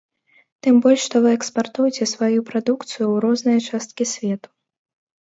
Тым больш што вы экспартуеце сваю прадукцыю ў розныя часткі свету.